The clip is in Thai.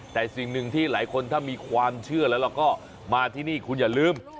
แต่สิ่งหนึ่งที่หลายคนถ้ามีความเชื่อแล้วเราก็มาที่นี่คุณอย่าลืม